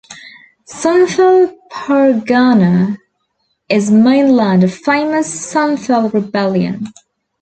Santhal Pargana is main land of famous Santhal rebellion.